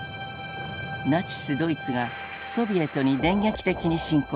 ナチス・ドイツがソビエトに電撃的に侵攻。